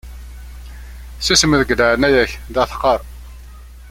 Susem deg leɛnaya-k la teqqaṛ!